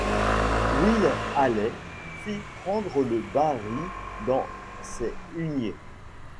Will Halley fit prendre le bas ris dans ses huniers.